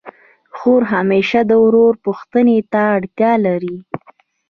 خور همېشه د ورور پوښتني ته اړتیا لري.